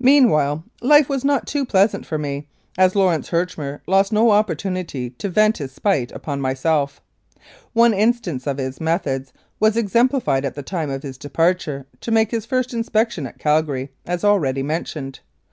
Meanwhile life was none too pleasant for me, as Lawrence Herchmer lost no opportunity to vent his spite upon myself. One instance of his methods was exemplified at the time of his departure to make his first inspection at Calgary, as already mentioned.